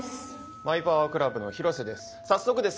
マイパワークラブの広瀬です。